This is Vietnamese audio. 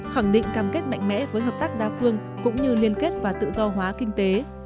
khẳng định cam kết mạnh mẽ với hợp tác đa phương cũng như liên kết và tự do hóa kinh tế